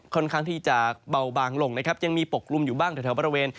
ค่อนข้างที่จะเบาบางลงนะครับยังมีปกกลุ่มอยู่บ้างแถวบริเวณ